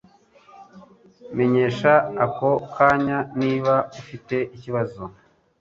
Menyesha ako kanya niba ufite ikibazo